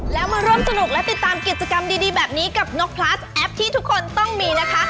แล้วมาร่วมสนุกและติดตามกิจกรรมดีแบบนี้กับนกพลัสแอปที่ทุกคนต้องมีนะคะ